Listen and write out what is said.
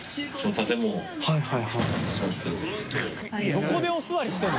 どこでお座りしてるの。